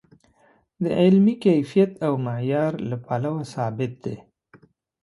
د علمي کیفیت او معیار له پلوه ثابت دی.